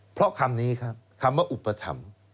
เพราะคำนี้ครับคำว่าอุปถัมภ์